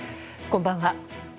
こんばんは。